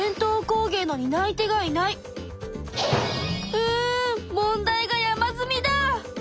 うん問題が山積みだ！